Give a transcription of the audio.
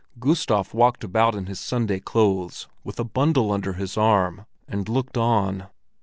Gustav walked about in his Sunday clothes with a bundle under his arm, and looked on.